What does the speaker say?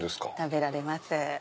食べられます。